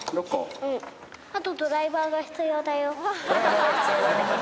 「ドライバーが必要だよ」。